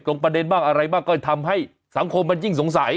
ประเด็นบ้างอะไรบ้างก็ทำให้สังคมมันยิ่งสงสัย